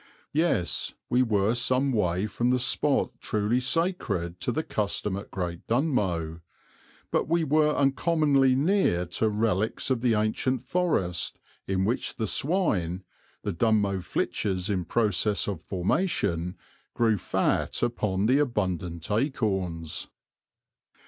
Yes, we were some way from the spot truly sacred to the custom at Great Dunmow; but we were uncommonly near to relics of the ancient forest, in which the swine, the Dunmow flitches in process of formation, grew fat upon the abundant acorns.